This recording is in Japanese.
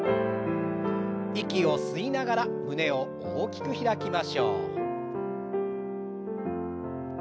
息を吸いながら胸を大きく開きましょう。